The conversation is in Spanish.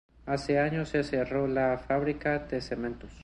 Hace años se cerró una fábrica de cementos.